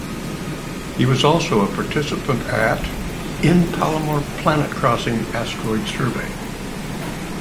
He was also a participant at in Palomar Planet-Crossing Asteroid Survey.